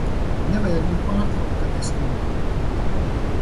Nevajag mani pārtraukt, kad es runāju!